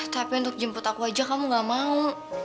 capek untuk jemput aku aja kamu gak mau